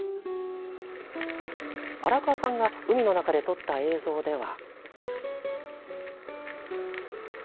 荒川さんが海の中で撮った映像では。